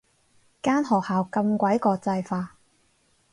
間學校咁鬼國際化